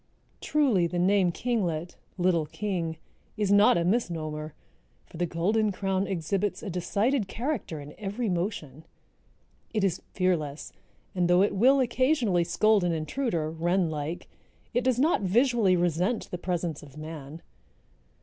Truly the name kinglet—little king—is not a misnomer, for the Golden crown exhibits a decided character in every motion. It is fearless and though it will occasionally scold an intruder, wren like, it does not visually resent the presence of man.